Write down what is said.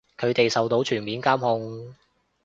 佢哋受到全面監控